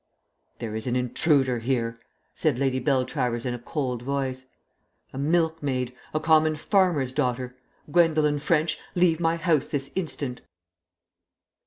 "There is an intruder here," said Lady Beltravers in a cold voice. "A milkmaid, a common farmer's daughter. Gwendolen French, leave my house this instant!"